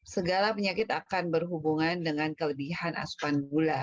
segala penyakit akan berhubungan dengan kelebihan asupan gula